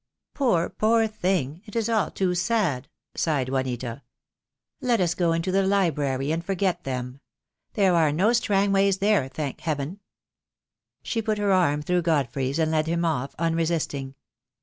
"Poor, poor thing. It is all too sad," sighed Juanita. "Let us go into the library and forget them. There are no Strang ways there, thank Heaven." She put her arm through Godfrey's and led him off, unresisting.